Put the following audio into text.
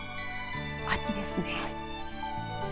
秋ですね。